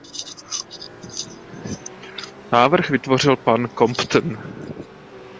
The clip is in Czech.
Návrh vytvořil pan Compton.